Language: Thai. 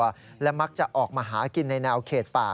และมักจะออกมาหากินในแนวเขตป่า